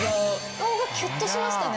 顔がキュッとしましたね。